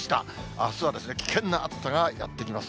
あすは危険な暑さがやって来ます。